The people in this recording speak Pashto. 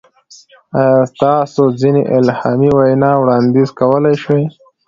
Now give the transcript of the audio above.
ایا تاسو ځینې الهامي وینا وړاندیز کولی شئ؟